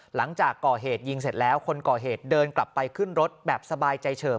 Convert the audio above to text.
หลังจากก่อเหตุยิงเสร็จแล้วคนก่อเหตุเดินกลับไปขึ้นรถแบบสบายใจเฉิบ